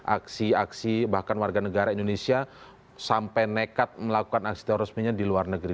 aksi aksi bahkan warga negara indonesia sampai nekat melakukan aksi terorismenya di luar negeri